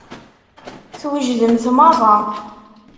Twejdemt meṛṛa.